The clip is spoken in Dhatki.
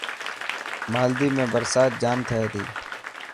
مالديپ ۾ برسات جام ٿي تي.